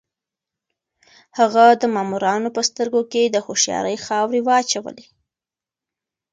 هغه د مامورانو په سترګو کې د هوښيارۍ خاورې واچولې.